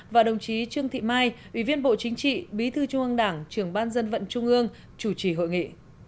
và đồng chí trương thị mai ủy viên bộ chính trị bí thư trung ương đảng trưởng ban dân vận trung ương chủ trì hội nghị